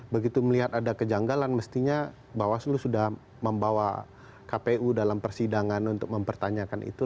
begitu melihat ada kejanggalan mestinya bawaslu sudah membawa kpu dalam persidangan untuk mempertanyakan itu